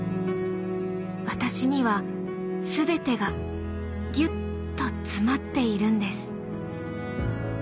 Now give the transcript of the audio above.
私にはすべてがぎゅっと詰まっているんです。